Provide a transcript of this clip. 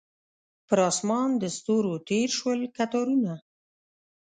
پر اسمان د ستورو تیر شول کتارونه